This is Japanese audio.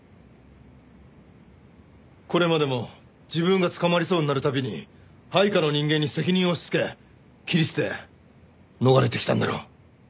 これまでも自分が捕まりそうになる度に配下の人間に責任を押しつけ切り捨て逃れてきたんだろ？